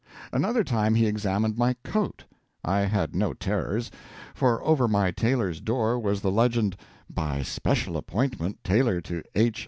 Another time he examined my coat. I had no terrors, for over my tailor's door was the legend, "By Special Appointment Tailor to H.